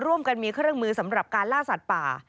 ร่วมกันมีเครื่องมือสำหรับการล่าสัตว์ป่า